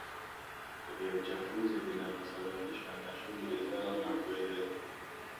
vya uchafuzi vinavyosababishwa na shughuli zao na kueleza